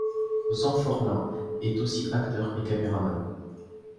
Zanforlin est aussi acteur et caméraman.